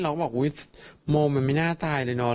เราก็บอกอุ๊ยโมมันไม่น่าตายเลยเนาะ